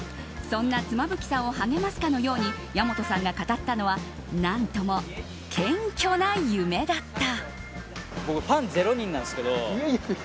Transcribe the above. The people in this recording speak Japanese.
そんな妻夫木さんを励ますかのように矢本さんが語ったのは何とも謙虚な夢だった。